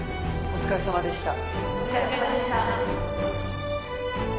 お疲れさまでした。